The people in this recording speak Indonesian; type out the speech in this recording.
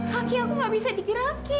kaki aku nggak bisa digerakin